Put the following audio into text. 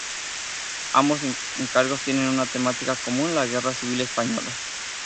Ambos encargos tienen una temática común: la Guerra Civil española.